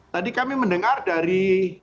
tadi kami mendengar dari